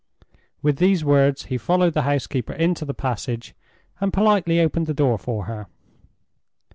With those words, he followed the housekeeper into the passage, and politely opened the door for her.